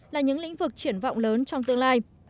là những lĩnh vực triển vọng lớn trong tương lai